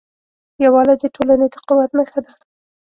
یووالی د ټولنې د قوت نښه ده.